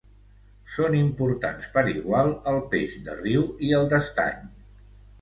Són importants per igual el peix de riu i el d'estany.